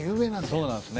そうなんですね。